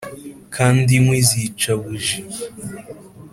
kandi inkwi zica buji.